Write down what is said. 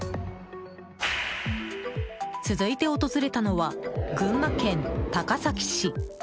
続いて訪れたのは群馬県高崎市。